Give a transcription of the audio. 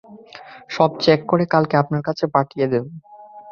সব চেক করে, কালকে আপনার কাছে পাঠিয়ে দিব।